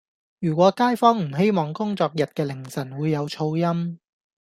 如果街坊唔希望工作日嘅凌晨會有噪音